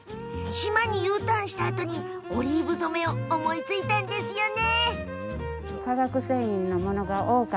島にＵターンしたあとにオリーブ染めを思いついたんですよね。